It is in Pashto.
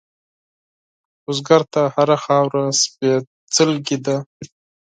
بزګر ته هره خاوره سپېڅلې ده